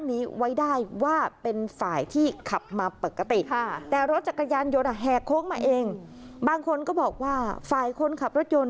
ส่วนใหญ่เห็นว่า